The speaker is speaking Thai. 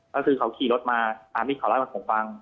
ก็คือเขาขี่รถมาตามที่เขาเล่าให้ผมฟัง